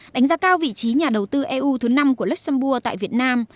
đánh giá cao vị trí nhà đầu tư eu thứ năm của luxembourg tại việt nam